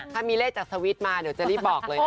ถ้ามีเลขจากสวิตช์มาเดี๋ยวจะรีบบอกเลยค่ะ